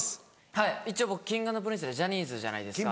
はい一応僕Ｋｉｎｇ＆Ｐｒｉｎｃｅでジャニーズじゃないですか。